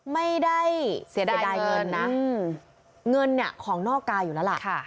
ไม่ได้เสียดายเงินนะเงินเนี่ยของนอกกายอยู่แล้วล่ะ